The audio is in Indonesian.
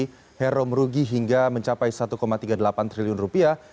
hero merugi hingga mencapai satu tiga puluh delapan triliun rupiah